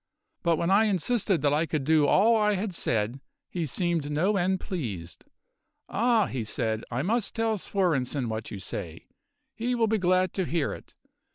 But when I insisted that I could do all I had said, he seemed no end pleased. `Ah,' he said, `I must tell Svorenssen what you say; he will be glad to hear it.